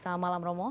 selamat malam romo